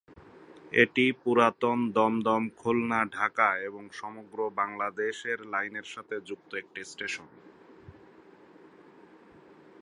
এটি পুরাতন দমদম-খুলনা-ঢাকা এবং সমগ্র বাংলাদেশের লাইনের সাথে যুক্ত একটি স্টেশন।